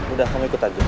udah kamu ikut aja yuk